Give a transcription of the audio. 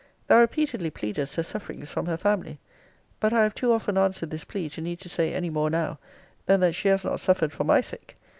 Thou repeatedly pleadest her sufferings from her family. But I have too often answered this plea, to need to say any more now, than that she has not suffered for my sake.